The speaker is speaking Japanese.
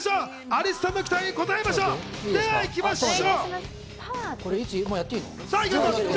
アリスさんの期待に応えましょう！では行きましょう。